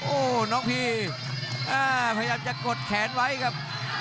โอ้น้องพี่เอ่อพยายามจะกดแขนไว้ครับ